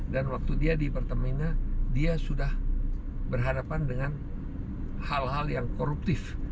dan waktu dia di pertamina dia sudah berhadapan dengan hal hal yang koruptif